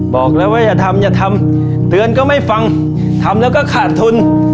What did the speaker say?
บอกแล้วว่าอย่าทำอย่าทำเตือนก็ไม่ฟังทำแล้วก็ขาดทุน